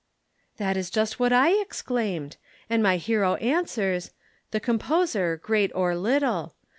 "That is just what I exclaimed. And my hero answers: 'The composer, great or little.